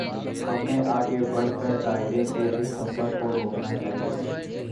ہمیں آگے بڑھ کر دائرے کے اس سفر کو روکنا چاہیے۔